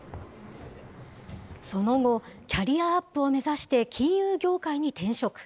その後、キャリアアップを目指して金融業界に転職。